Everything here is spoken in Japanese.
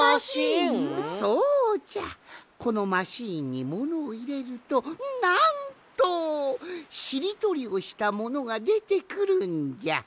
このマシーンにものをいれるとなんとしりとりをしたものがでてくるんじゃ。